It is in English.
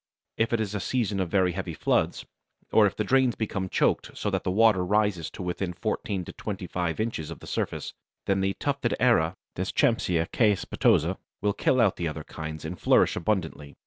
If it is a season of very heavy floods, or if the drains become choked so that the water rises to within fourteen to twenty five inches of the surface, then the tufted Aira (Deschampsia caespitosa) will kill out the other kinds and flourish abundantly.